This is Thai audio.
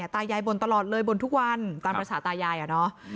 ตายายบ่นตลอดเลยบ่นทุกวันตามภาษาตายายอะเนาะ